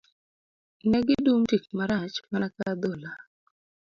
Ne gidum tik marach mana ka adhola